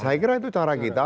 saya kira itu cara kita